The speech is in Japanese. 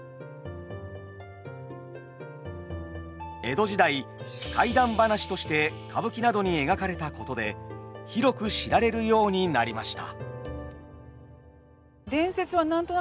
江戸時代怪談話として歌舞伎などに描かれたことで広く知られるようになりました。